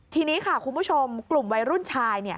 ทีนี้ค่ะคุณผู้ชมกลุ่มวัยรุ่นชาย